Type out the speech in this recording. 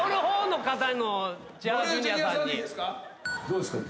どうですか？